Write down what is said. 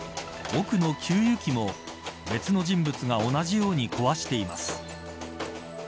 奥の給油機も別の人物が同じように壊しています。